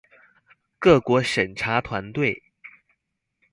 各國審查團隊